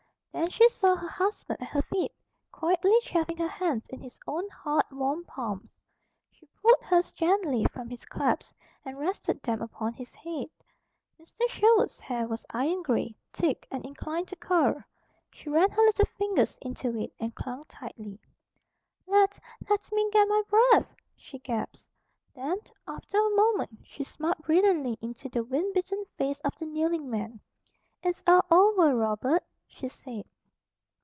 Then she saw her husband at her feet, quietly chafing her hands in his own hard, warm palms. She pulled hers gently from his clasp and rested them upon his head. Mr. Sherwood's hair was iron gray, thick, and inclined to curl. She ran her little fingers into it and clung tightly. "Let, let me get my breath!" she gasped. Then, after a moment she smiled brilliantly into the wind bitten face of the kneeling man. "It's all over, Robert," she said.